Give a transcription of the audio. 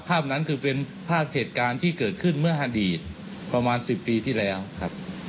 ภาพนั้นคือเป็นภาพเหตุการณ์ที่เกิดขึ้นเมื่ออดีตประมาณ๑๐ปีที่แล้วครับ